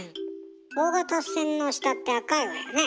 大型船の下って赤いわよね。